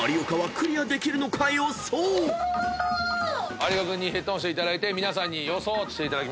有岡君にヘッドホンしていただいて皆さんに予想していただきます。